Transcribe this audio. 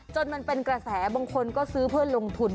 มันเป็นกระแสบางคนก็ซื้อเพื่อลงทุน